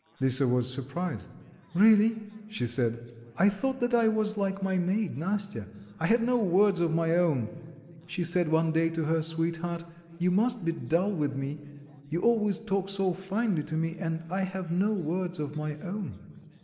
Lisa was surprised. "Really?" she said; "I thought that I was like my maid, Nastya; I had no words of my own. She said one day to her sweetheart: 'You must be dull with me; you always talk so finely to me, and I have no words of my own.